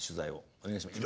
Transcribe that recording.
お願いします。